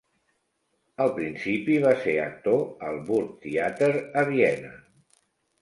Al principi, va ser actor al Burgtheater a Viena.